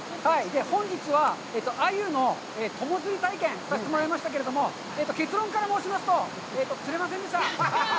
本日は、アユの友釣り体験をさせてもらいましたけど、結論から申しますと、釣れませんでした。